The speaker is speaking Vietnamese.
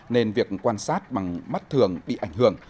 nên việc quan sát bằng mắt thường bị ảnh hưởng